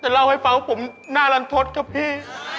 จะเล่าให้ฟังผมหน้ารังทศครับพี่